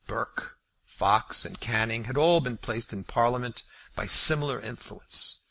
Burke, Fox, and Canning had all been placed in Parliament by similar influence.